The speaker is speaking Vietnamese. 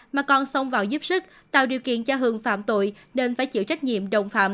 mà còn xông vào giúp sức tạo điều kiện cho hường phạm tội nên phải chịu trách nhiệm đồng phạm